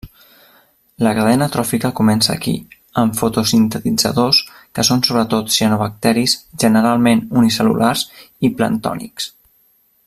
La cadena tròfica comença aquí, amb fotosintetitzadors, que són sobretot cianobacteris, generalment unicel·lulars i planctònics.